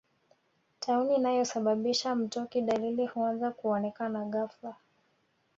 Tauni inayosababisha mtoki Dalili huanza kuonekana ghafla